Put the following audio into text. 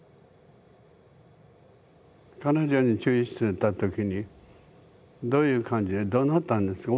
彼女に注意してた時にどういう感じでどなったんですか？